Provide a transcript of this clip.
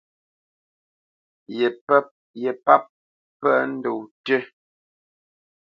Ye páp pə́ ndɔ̂ tʉ́.